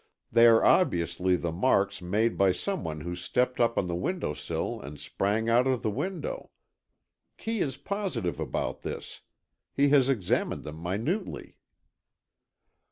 They are obviously the marks made by some one who stepped up on the window sill and sprang out of the window. Kee is positive about this. He has examined them minutely."